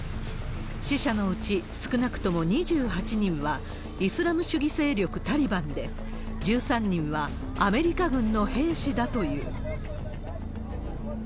死者のうち、少なくとも２８人はイスラム主義勢力タリバンで、１３人はアメリカ軍の兵士だという。